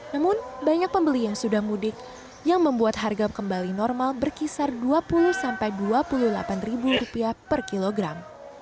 namun banyak pembeli yang sudah mudik yang membuat harga kembali normal berkisar dua puluh dua puluh delapan per kilogram